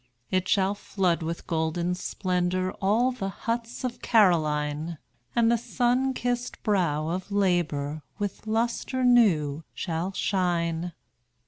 It shall flood with golden splendor All the huts of Caroline; And the sun kissed brow of labor With lustre new shall shine.